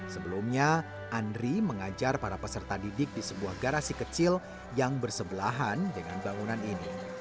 sebelumnya andri mengajar para peserta didik di sebuah garasi kecil yang bersebelahan dengan bangunan ini